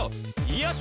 「よし！」